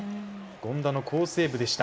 権田の好セーブでした。